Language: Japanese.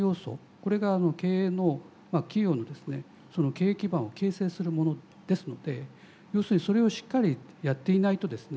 これが企業の経営基盤を形成するものですので要するにそれをしっかりやっていないとですね